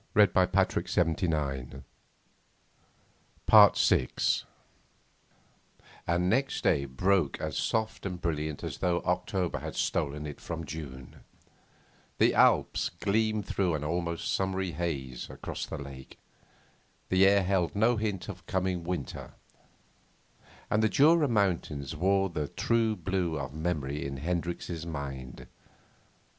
And by midnight he was sound asleep. VI And next day broke as soft and brilliant as though October had stolen it from June; the Alps gleamed through an almost summery haze across the lake; the air held no hint of coming winter; and the Jura mountains wore the true blue of memory in Hendricks' mind.